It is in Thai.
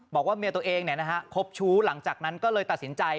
บอกว่าเมียตัวเองคบชู้หลังจากนั้นก็เลยตัดสินใจ